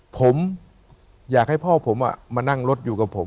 ผมอยากให้พ่อผมมานั่งรถอยู่กับผม